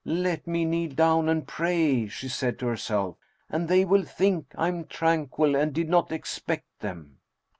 ' Let me kneel down and pray/ she said to herself, ' and they will think I am tranquil and did not expect them